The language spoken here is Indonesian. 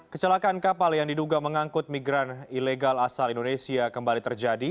kecelakaan kapal yang diduga mengangkut migran ilegal asal indonesia kembali terjadi